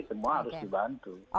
semua harus dibantu